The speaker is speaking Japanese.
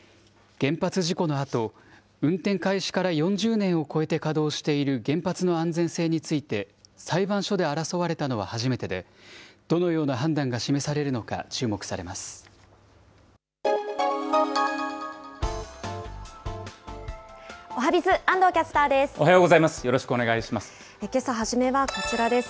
原発事故のあと、運転開始から４０年を超えて稼働している原発の安全性について、裁判所で争われたのは初めてで、どのような判断が示されるのか注目されます。